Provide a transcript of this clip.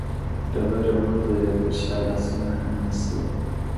ډبري غورځوې تر شا لاسونه هم نیسې’